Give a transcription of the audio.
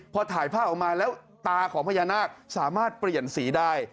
พอถ่ายภาพออกมาแล้วตาของพญานาคสามารถเปลี่ยนสีได้